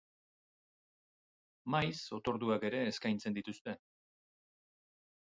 Maiz otorduak ere eskaintzen dituzte.